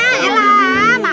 eh lah makan makan